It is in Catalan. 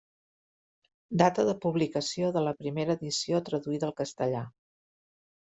Data de publicació de la primera edició traduïda al castellà.